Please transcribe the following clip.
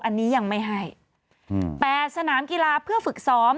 อันนี้ยังไม่ให้๘สนามกีฬาเพื่อฝึกซ้อม